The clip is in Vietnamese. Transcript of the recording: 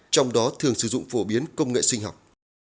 trong đó thường sử dụng phổ biến công nghệ sinh học